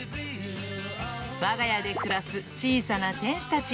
わが家で暮らす小さな天使たち。